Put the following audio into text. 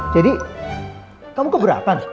jadi kamu keberatan